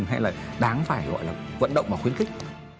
hay là đáng phải gọi là vận động và khuyến khích